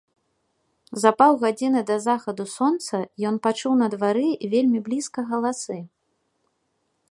За паўгадзіны да захаду сонца ён пачуў на двары вельмі блізка галасы.